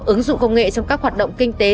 ứng dụng công nghệ trong các hoạt động kinh tế